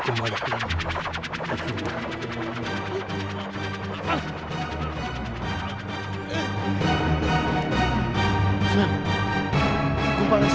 kumparan senang dan embat itu